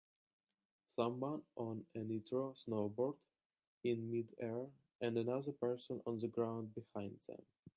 Someone on a Nitro snowboard in midair and another person on the ground behind them.